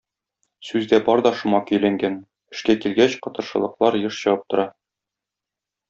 Сүздә бар да шома көйләнгән, эшкә килгәч кытыршылыклар еш чыгып тора.